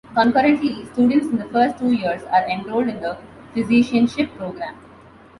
Concurrently, students in the first two years are enrolled in the Physicianship Program.